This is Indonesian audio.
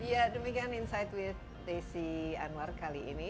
ya demikian insight with desi anwar kali ini